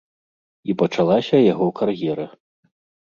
І пачалася яго кар'ера.